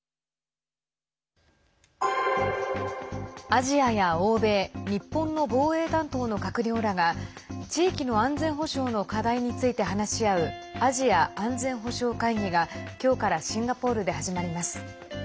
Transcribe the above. アジアや欧米日本の防衛担当の閣僚らが地域の安全保障の課題について話し合うアジア安全保障会議がきょうからシンガポールで始まります。